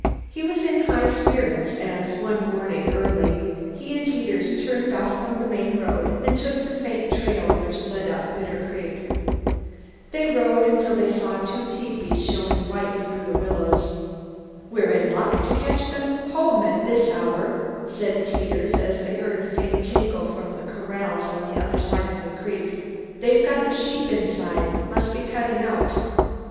He was in high spirits as, one morning early, he and Teeters turned off from the main road and took the faint trail which led up Bitter Creek. They rode until they saw two tepees showing white through the willows. "We're in luck to catch them home at this hour," said Teeters, as they heard a faint tinkle from the corrals on the other side of the creek. "They've got the sheep inside must be cuttin' out.